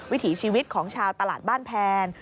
วิถีชีวิตของชาวตลาดบ้านแพน